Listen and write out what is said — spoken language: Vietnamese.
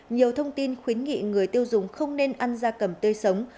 nhiều thông tin khuyến nghị người tiêu dùng không nên ăn da cầm tươi sống